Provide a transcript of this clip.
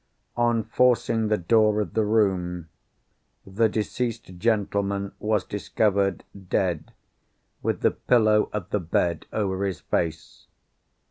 On forcing the door of the room, the deceased gentleman was discovered, dead, with the pillow of the bed over his face.